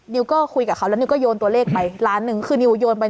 ก็คุยกับเขาแล้วนิวก็โยนตัวเลขไปล้านหนึ่งคือนิวโยนไป